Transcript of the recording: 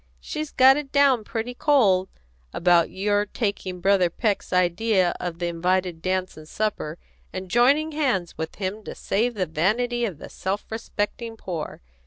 She's got it down pretty cold about your taking Brother Peck's idea of the invited dance and supper, and joining hands with him to save the vanity of the self respecting poor.